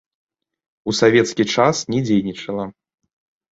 У савецкі час не дзейнічала.